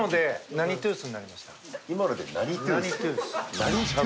何トゥース？